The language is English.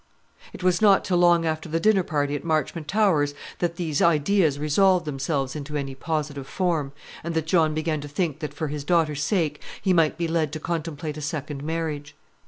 It was not till long after the dinner party at Marchmont Towers that these ideas resolved themselves into any positive form, and that John began to think that for his daughter's sake he might be led to contemplate a second marriage.